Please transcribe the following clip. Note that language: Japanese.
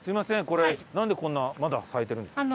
これなんでこんなまだ咲いてるんですか？